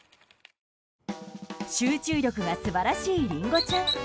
集中力が素晴らしいりんごちゃん。